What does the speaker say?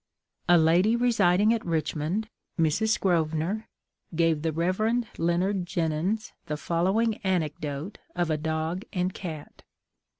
A lady residing at Richmond (Mrs. Grosvenor) gave the Rev. Leonard Jenyns the following anecdote of a dog and cat.